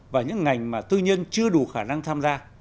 và những ngành mà tư nhân chưa đủ khả năng tham gia